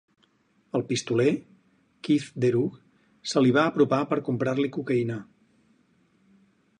El pistoler, Keith Deroux, se li va apropar per comprar-li cocaïna.